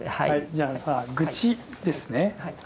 じゃあ「愚痴」ですね。